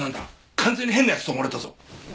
完全に変な奴と思われたぞ！